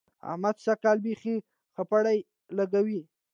احمد سږ کال بېخي خپړې لګوي.